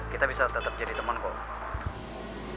kita bisa tetep jadi temen kok